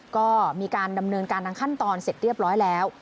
ก็มีการดำเนินการทางขั้นตอนเสร็จเรียบร้อยแล้ว